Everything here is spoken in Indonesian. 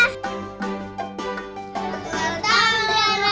selamat tahun zara